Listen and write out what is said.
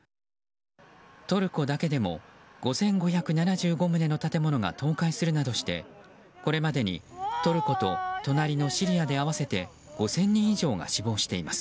トルコだけでも５５７５棟の建物が倒壊するなどして、これまでにトルコと隣のシリアで合わせて５０００人以上が死亡しています。